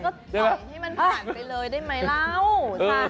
ก็ปล่อยให้มันผ่านไปเลยได้ไหมเล่า